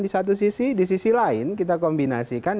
di satu sisi di sisi lain kita kombinasikan